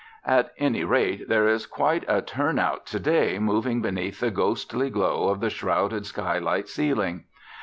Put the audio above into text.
At any rate, there is quite a turn out to day moving beneath the ghostly glow of the shrouded sky light ceiling.